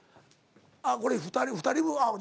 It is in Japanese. あっこれ２人分。